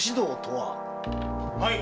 はい。